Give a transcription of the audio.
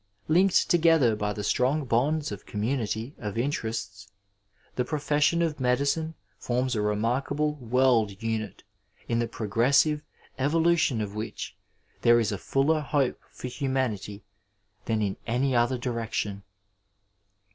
Linked together by the strong bonds of community of interests, the profession of medicine forms a remarkable world unit in the progressive evolution of which there is a fuller hope for humanity than in any other direction.